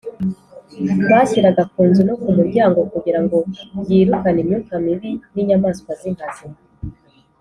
bashyiraga ku nzu no ku muryango kugira ngo byirukane imyuka mibi n’inyamaswa z’inkazi.